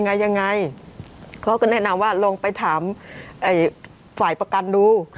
เขาก็แนะนำว่าลองไปถามฝ่ายประกันดู